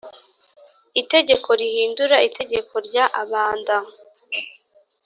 Itegeko rihindura Itegeko rya abanda